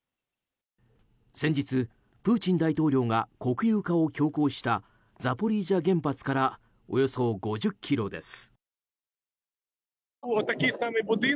先日、プーチン大統領が国有化を強行したザポリージャ原発からおよそ５０ｋｍです。